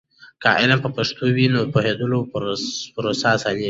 که علم په پښتو وي، نو د پوهیدلو پروسه اسانېږي.